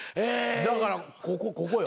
だからここよ。